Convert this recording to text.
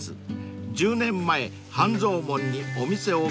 ［１０年前半蔵門にお店を構えました］